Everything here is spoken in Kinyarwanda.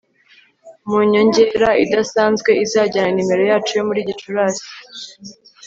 mu nyongera idasanzwe izajyana nimero yacu yo muri Gicurasi